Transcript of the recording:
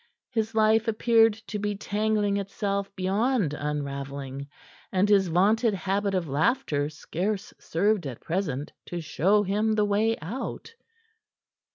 His life appeared to be tangling itself beyond unravelling, and his vaunted habit of laughter scarce served at present to show him the way out.